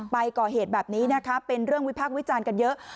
ก่อเหตุแบบนี้นะคะเป็นเรื่องวิพากษ์วิจารณ์กันเยอะ